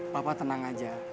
papa tenang aja